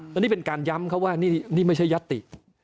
และนี่เป็นการย้ำเขาว่านี่ไม่ใช่ยัตติ